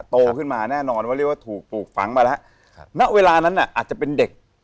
โตขึ้นมาแน่นอนว่าเรียกว่าถูกปลูกฝังมาแล้วครับณเวลานั้นน่ะอาจจะเป็นเด็ก